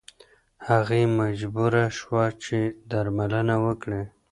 هغې مجبوره شوه چې درملنه وکړي.